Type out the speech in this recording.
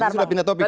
sudah pindah topik